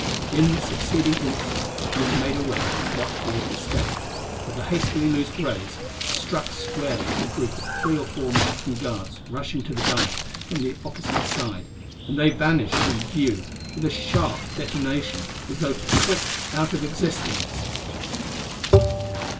In the succeeding instant he was made aware of what he had escaped, for the hastily loosed rays struck squarely a group of three or four Martian guards rushing to the dais from the opposite side, and they vanished from view with a sharp detonation as though clicked out of existence!